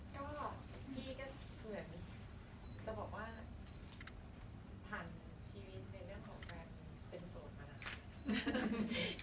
ก็พี่ก็เหมือนจะบอกว่าผ่านชีวิตในเรื่องของการเป็นโสดมาแล้ว